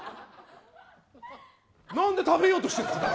何で食べようとしてるんですか？